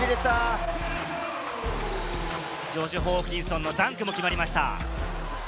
ジョシュ・ホーキンソンのダンクも決まりました。